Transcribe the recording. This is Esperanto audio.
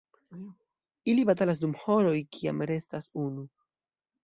Ili batalas dum horoj, kiam restas unu.